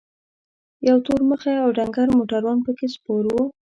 یو تور مخی او ډنګر موټروان پکې سپور و.